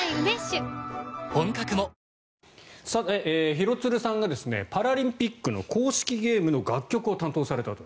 廣津留さんがパラリンピックの公式ゲームの楽曲を担当されたと。